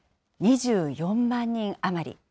２４万人余り。